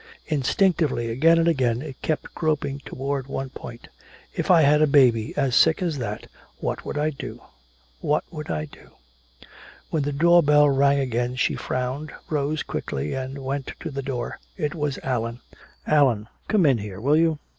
Instinctively again and again it kept groping toward one point: "If I had a baby as sick as that, what would I do? What would I do?" When the doorbell rang again, she frowned, rose quickly and went to the door. It was Allan. "Allan come in here, will you?"